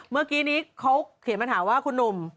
เมื่อกี้นี้เขาเขียนมาถามว่าคุณหนุ่ม